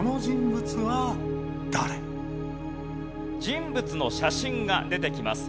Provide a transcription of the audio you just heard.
人物の写真が出てきます。